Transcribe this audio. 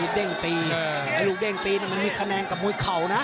ตรงนี้ลูกเด้งตีเนี่ยมันมีคะแนนกับมวยเข่านะ